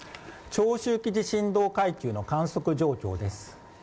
長周期地震動階級の観測状況です。